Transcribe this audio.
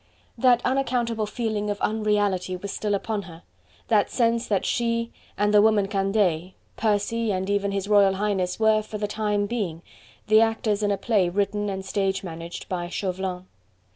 That unaccountable feeling of unreality was still upon her, that sense that she, and the woman Candeille, Percy and even His Royal Highness were, for the time being, the actors in a play written and stage managed by Chauvelin.